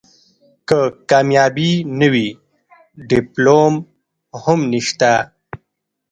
که کامیابي نه وي ډیپلوم هم نشته .